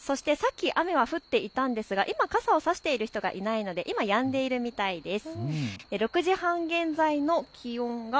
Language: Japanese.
さっき雨が降っていたんですけれども今傘を差している人はいないので今はやんでいるみたいです。